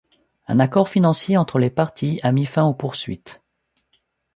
Un accord financier entre les parties a mis fin aux poursuites.